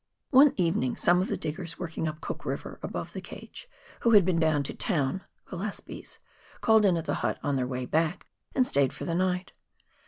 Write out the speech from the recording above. One evening some of the diggers working up Cook River, above the cage, who had been down to "town" (Gillespies), called in at the hut on their way back, and stayed for the night.